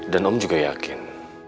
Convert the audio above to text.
dan om juga yakin